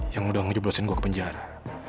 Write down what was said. yang udah ngejeblosin gue ke penjara